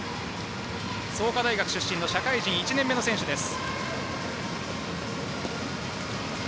創価大学出身の社会人１年目の選手です。